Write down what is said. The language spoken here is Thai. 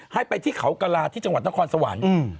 ให้ไปที่เขากระลาที่จังหวัดนครสวรรค์